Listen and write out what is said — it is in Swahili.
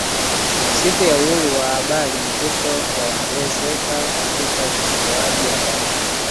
Siku ya Uhuru wa Habari Mvutano waongezeka katika utoaji habari